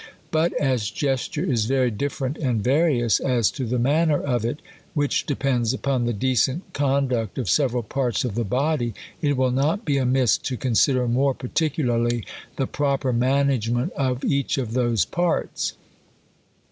But as gesture is very different and various as to the manner of it, which depends upon the decent conduct of several parts of the body, it v/ill not be amiss to con sider more particularly the proper management of each of those parts.